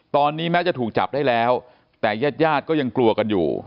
ตอนนี้แม้จะถูกจับได้แล้วแต่ญาติญาติก็ยังกลัวกันอยู่